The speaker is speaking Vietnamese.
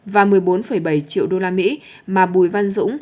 và một mươi bốn bảy triệu đô la mỹ mà bùi văn dũng